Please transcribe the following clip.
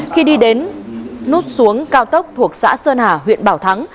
khi đi đến nút xuống cao tốc thuộc xã sơn hà huyện bảo thắng